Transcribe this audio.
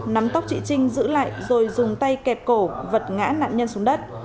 nắm tóc chị trinh giữ lại rồi dùng tay kẹp cổ vật ngã nạn nhân xuống đất